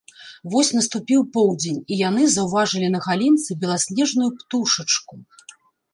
Вось наступіў поўдзень, і яны заўважылі на галінцы беласнежную птушачку